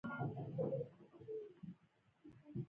د جرګې په واسطه د هغې په اړه معلومات تر لاسه کړي.